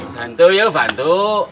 bantu ya bantu